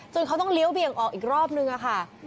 เขาต้องเลี้ยวเบี่ยงออกอีกรอบนึงค่ะ